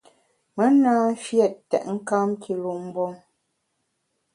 Me na mfiét tètnkam kilu mgbom.